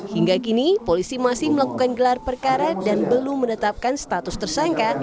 hingga kini polisi masih melakukan gelar perkara dan belum menetapkan status tersangka